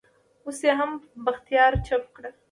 اوس يې هم بختيار چپه کړ.